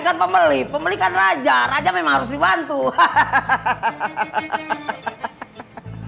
kan pembeli pembelikan raja raja memang harus dibantu hahaha